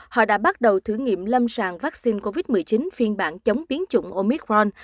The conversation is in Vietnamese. họ đã bắt đầu thử nghiệm lâm sàng vaccine covid một mươi chín phiên bản chống biến chủng omicron